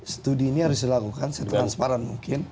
studi ini harus dilakukan secara transparan mungkin